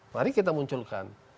mari kita munculkan